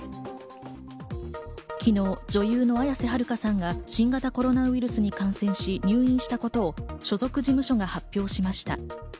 昨日、女優の綾瀬はるかさんが新型コロナウイルスに感染し、入院したことを所属事務所が発表しました。